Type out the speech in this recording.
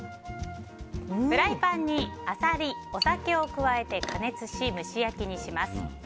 フライパンにアサリ、お酒を加えて加熱し蒸し焼きにします。